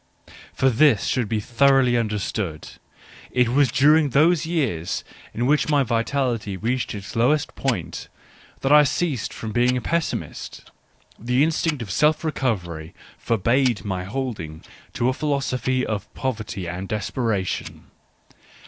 .. .[jor this should be thoroughly understood ; it was during those years in which my vitality reached its lowest point that I ceased from being a pessimist : the instinct of self recovery for bade my holding to a philosophy of poverty and desperation.